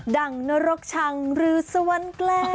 ั่งนรกชังหรือสวรรค์แกล้ง